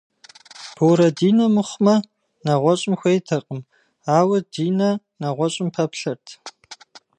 Борэ Динэ мыхъумэ, нэгъуэщӏым хуейтэкъым, ауэ Динэ нэгъуэщӏым пэплъэрт.